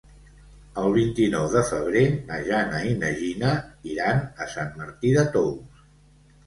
El vint-i-nou de febrer na Jana i na Gina iran a Sant Martí de Tous.